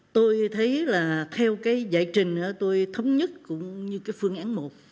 tôi thấy là theo cái giải trình tôi thống nhất cũng như cái phương án một